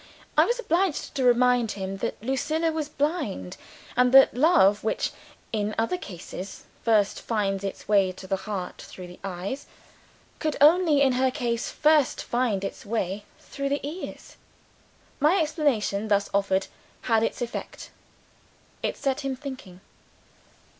I was obliged to remind him that Lucilla was blind, and that love which, in other cases, first finds its way to the heart through the eyes, could only, in her case, first find its way through the ears. My explanation, thus offered, had its effect: it set him thinking.